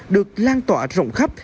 được lan tọa rộng khắp